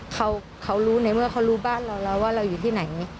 เขารู้ในเมื่อเขารู้บ้านเราแล้วว่าเราอยู่ที่ไหน